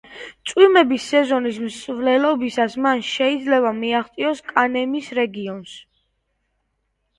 წვიმების სეზონის მსვლელობისას, მან შეიძლება მიაღწიოს კანემის რეგიონს.